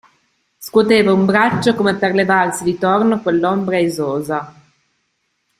Scuoteva un braccio come per levarsi di torno quell'ombra esosa.